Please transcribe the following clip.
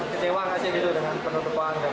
kecewa gak sih gitu dengan penumpang